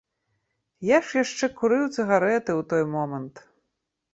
Я ж яшчэ курыў цыгарэты ў той момант.